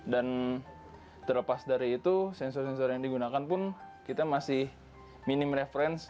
dan terlepas dari itu sensor sensor yang digunakan pun kita masih minim reference